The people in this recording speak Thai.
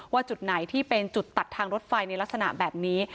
จุดไหนที่เป็นจุดตัดทางรถไฟในลักษณะแบบนี้